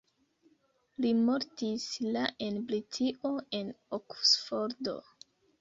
Li mortis la en Britio en Oksfordo.